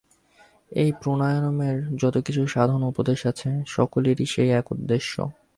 এই প্রাণায়ামের যত কিছু সাধন ও উপদেশ আছে, সকলেরই সেই এক উদ্দেশ্য।